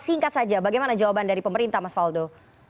singkat saja bagaimana jawaban dari pemerintah mas faldo